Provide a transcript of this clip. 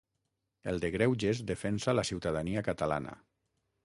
El de greuges defensa la ciutadania catalana.